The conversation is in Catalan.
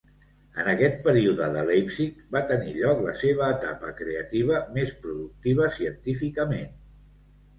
En aquest període de Leipzig va tenir lloc la seva etapa creativa més productiva científicament.